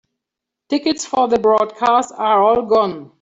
Tickets for the broadcast are all gone.